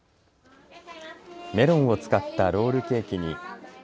メロンを使ったロールケーキに。